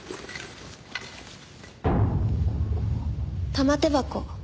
玉手箱。